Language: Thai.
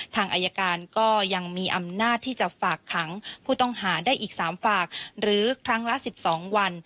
ทางอายการก็ยังมีอำนาจที่จะฝากขังผู้ต้องหาได้อีก๓ฝากหรือครั้งละ๑๒วัน